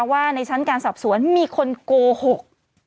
ว่าในชั้นการสอบสวนมีคนโกหก